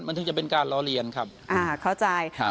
มันถึงจะเป็นการล้อเลียนครับอ่าเข้าใจครับ